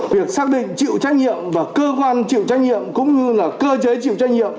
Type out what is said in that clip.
việc xác định chịu trách nhiệm và cơ quan chịu trách nhiệm cũng như là cơ chế chịu trách nhiệm